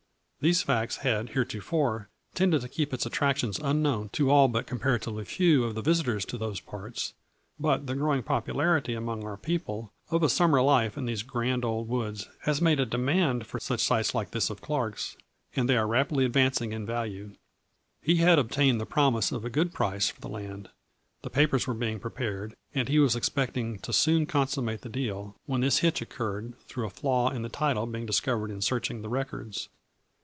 These facts had heretofore tended to keep its attractions un known to all but comparatively few of the visitors to those parts, but the growing popular ity among our people of a summer life in these grand old woods has made a demand for sites A FLURRY IN DIAMONDS. 205 like this of Clark's, and they are rapidly ad vancing in value. He had obtained the promise of a good price for the land, the papers were being prepared, and he was expecting to soon consummate the deal, when this hitch occurred through a flaw in the title being discovered in searching the records.